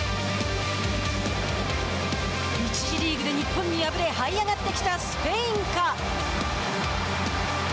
１次リーグで日本に敗れはい上がってきたスペインか。